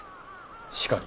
しかり。